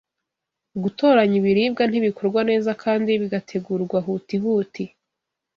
Gutoranya ibiribwa ntibikorwa neza kandi bigategurwa huti huti,